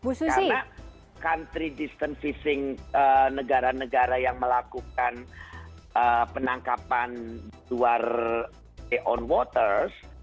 karena country distant fishing negara negara yang melakukan penangkapan di luar day on waters